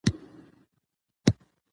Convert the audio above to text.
راڅخه پاته وطن د یار دی